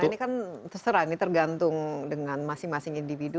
karena ini kan terserah ini tergantung dengan masing masing individu